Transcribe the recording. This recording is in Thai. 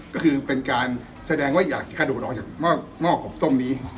ก็คือเป็นการแสดงว่าอยากจะขาดดูดออกจากม่อกบต้มนี้